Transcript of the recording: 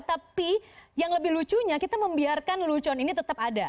tapi yang lebih lucunya kita membiarkan lucon ini tetap ada